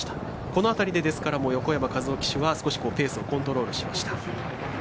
この辺りで横山和生騎手はペースをコントロールしました。